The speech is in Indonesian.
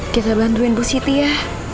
kita bantuin bu siti ya